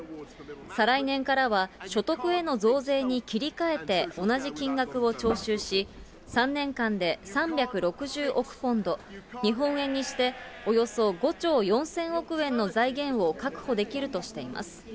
再来年からは所得への増税に切り替えて同じ金額を徴収し、３年間で３６０億ポンド、日本円にしておよそ５兆４０００億円の財源を確保できるとしています。